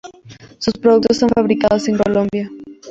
Sus productos son fabricados en Colombia.